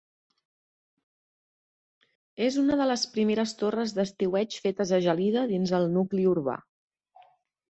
És una de les primeres torres d'estiueig fetes a Gelida dins el nucli urbà.